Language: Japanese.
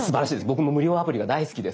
僕も無料アプリが大好きです。